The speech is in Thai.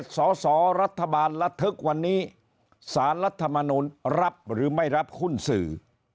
สอสอรัฐบาลระทึกวันนี้สารรัฐมนุนรับหรือไม่รับหุ้นสื่อ